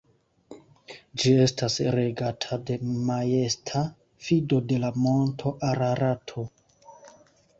Ĝi estas regata de majesta vido de la monto Ararato.